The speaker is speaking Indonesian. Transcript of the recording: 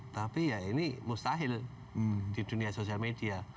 tapi ya ini mustahil di dunia sosial media